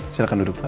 silahkan duduk pak